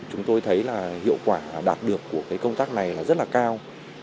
chúng tôi thấy là hiệu quả đạt được của công tác này là rất là cao